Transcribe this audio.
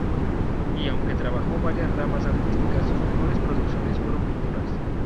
Y aunque trabajo varias ramas artísticas sus mejores producciones fueron pinturas.